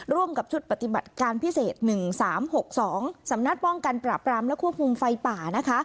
ร่วมกับชุดปฏิบัติการพิเศษ๑๓๖๒สำนักป้องกันปราบรามและควบคุมไฟป่า